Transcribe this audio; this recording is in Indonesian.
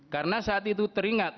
karena saat itu terdakwa teringat